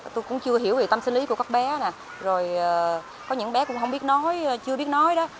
tôi cũng chưa hiểu về tâm sinh lý của các bé rồi có những bé cũng không biết nói chưa biết nói đó